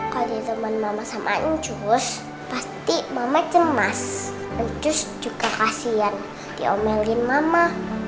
kalau diteman mama sama anjus pasti mama cemas anjus juga kasian diomelin mama